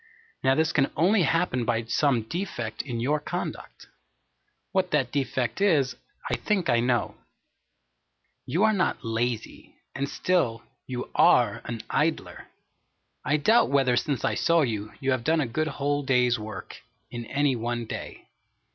Now this can only happen by some defect in your conduct. What that defect is, I think I know. You are not lazy, and still you are an idler. I doubt whether since I saw you, you have done a good whole day's work, in any one day.